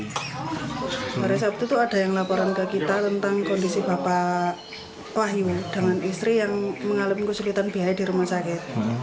hari sabtu itu ada yang laporan ke kita tentang kondisi bapak wahyu dengan istri yang mengalami kesulitan biaya di rumah sakit